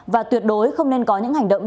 và tuyệt đối không nên có những hành động